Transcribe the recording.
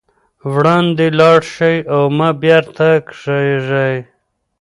وړاندې لاړ شئ او مه بېرته کېږئ.